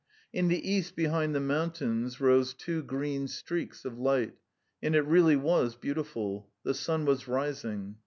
In the east behind the mountains rose two green streaks of light, and it really was beautiful. The sun was rising.